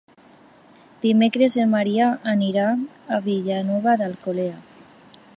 Dimecres en Maria anirà a Vilanova d'Alcolea.